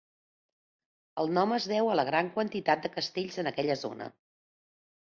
El nom es deu a la gran quantitat de castells en aquella zona.